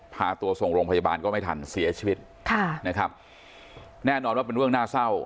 พาตัวส่งโรงพยาบาลก็ไม่ทันเสียชีวิตค่ะนะครับแน่นอนว่าเป็นเรื่องน่าเศร้า